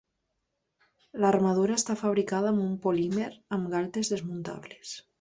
L'armadura està fabricada amb un polímer, amb galtes desmuntables.